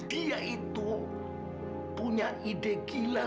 dia itu punya ide gila